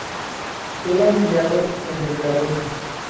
Era empleado en el garum.